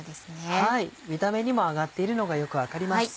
見た目にも揚がっているのがよく分かります。